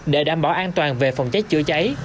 để đảm bảo an toàn về phòng cháy chữa cháy